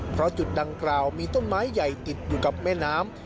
เพราะจุดดังกล่าวมีต้นไม้ใหญ่ติดอยู่กับแม่น้ำ